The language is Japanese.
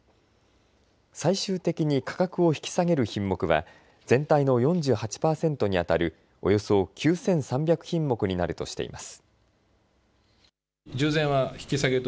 最終的に価格を引き下げる品目は全体の４８％にあたるおよそ９３００品目になるとしています。